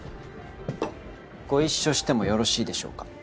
・ご一緒してもよろしいでしょうか？